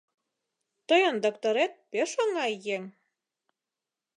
— Тыйын докторет пеш оҥай еҥ!